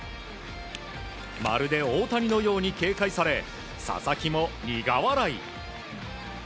まるで大谷のように警戒され佐々木も苦笑い。